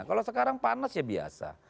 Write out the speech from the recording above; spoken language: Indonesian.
kalau sekarang panas ya biasa